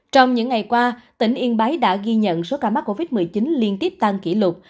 trong những ngày qua tỉnh yên bái đã ghi nhận số ca mắc covid một mươi chín liên tiếp tăng kỷ lục